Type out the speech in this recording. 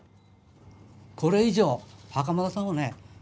これ以上袴田さんをね